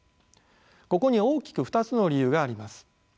ここに大きく２つの理由があります。